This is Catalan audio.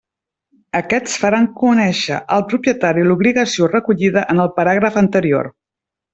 Aquests faran conéixer al propietari l'obligació recollida en el paràgraf anterior.